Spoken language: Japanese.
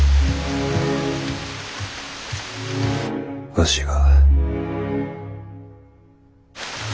わしが。